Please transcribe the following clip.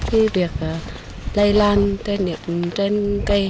hàn chế việc lây lan cây niệm trên cây